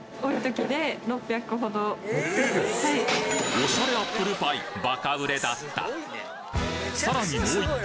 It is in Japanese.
おしゃれアップルパイバカ売れだったさらにもう一軒